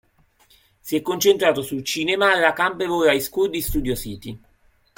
Si è concentrato sul cinema alla Campbell Hall High School di Studio City.